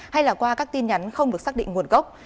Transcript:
hay là qua các tin nhắn không được xác định nguồn gốc